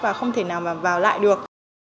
và không thể nào mà vào lại được